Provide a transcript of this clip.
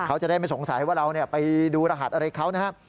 เขาจะได้ไม่สงสัยว่าเราไปดูรหัสอะไรเขานะครับ